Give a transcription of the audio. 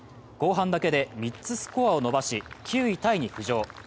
後半だけで３つスコアを伸ばし、９位タイに浮上。